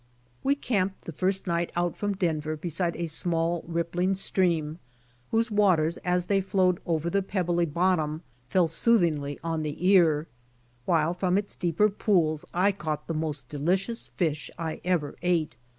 We camped the first night out from Denver beside a small rippling stream, whose waters as they flowed over the pebbly bottom fell soothingly on the ear, while from its deeper pools I caught the most delicious fish I ever ate.